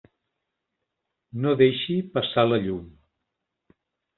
No deixi passar la llum.